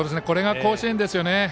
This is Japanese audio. これが甲子園ですよね。